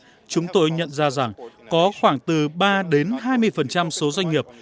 khi chúng tôi nhìn vào những nước đang phát triển chúng tôi nhận ra rằng có khoảng từ ba đến hai mươi số doanh nghiệp